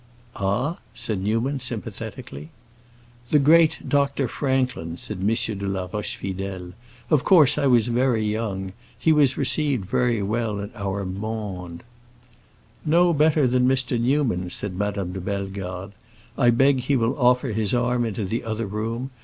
"Ah?" said Newman, sympathetically. "The great Dr. Franklin," said M. de la Rochefidèle. "Of course I was very young. He was received very well in our monde." "Not better than Mr. Newman," said Madame de Bellegarde. "I beg he will offer his arm into the other room.